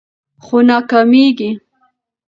خو ناکامیږي